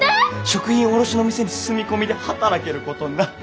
食品卸の店に住み込みで働けることになって。